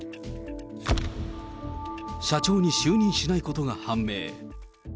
社長に就任しないことが判明。